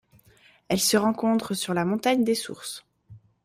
Elle se rencontre sur la montagne des Sources.